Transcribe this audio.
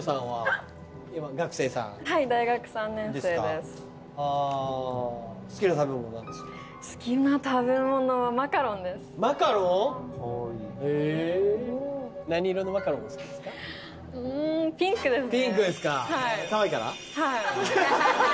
はい。